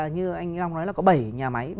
như anh long nói là có bảy nhà máy